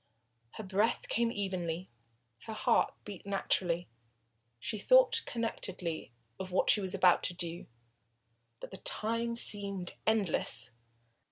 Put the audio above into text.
Her breath came evenly, her heart beat naturally, she thought connectedly of what she was about to do. But the time seemed endless.